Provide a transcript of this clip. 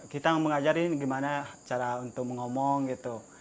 kita mengajari gimana cara untuk mengomong gitu